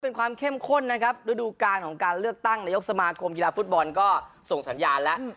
เป็นความเข้มข้นนะครับฤดูการของการเลือกตั้งนายกสมาคมกีฬาฟุตบอลก็ส่งสัญญาณแล้ว